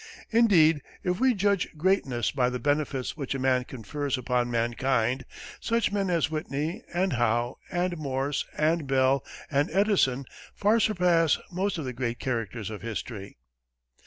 Indeed, if we judge greatness by the benefits which a man confers upon mankind, such men as Whitney and Howe and Morse and Bell and Edison far surpass most of the great characters of history.